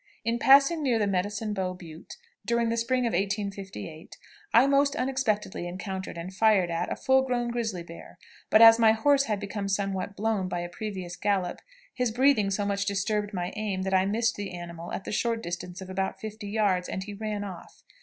In passing near the "Medicine Bow Butte" during the spring of 1858, I most unexpectedly encountered and fired at a full grown grizzly bear; but, as my horse had become somewhat blown by a previous gallop, his breathing so much disturbed my aim that I missed the animal at the short distance of about fifty yards, and he ran off.